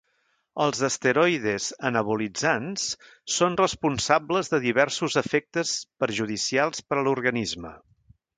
Els esteroides anabolitzants són responsables de diversos efectes perjudicials per a l'organisme.